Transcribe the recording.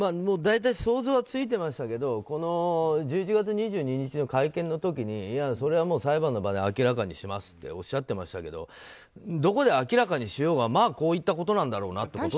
大体想像はついていましたがこの１１月２２日の会見の時にそれは裁判の場で明らかにしますとおっしゃってましたけどどこで明らかにしようがこういったことなんだろうなと。